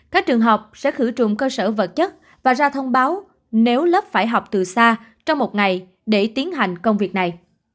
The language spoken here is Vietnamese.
các trường học sẽ khử trùng cơ sở vật chất và ra thông báo nếu lớp phải học từ xa trong một ngày để tiến hành công việc này